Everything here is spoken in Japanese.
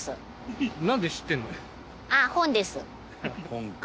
「本か」